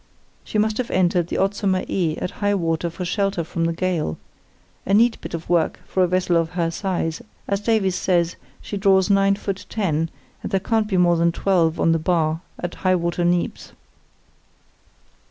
She must have entered the Otzumer Ee at high water for shelter from the gale; a neat bit of work for a vessel of her size, as Davies says she draws nine foot ten, and there can't be more than twelve on the bar at high water neaps.